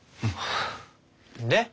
で？